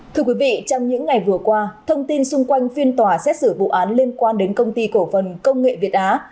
thưa quý vị trong những ngày vừa qua thông tin xung quanh phiên tòa xét xử vụ án liên quan đến công ty cổ phần công nghệ việt á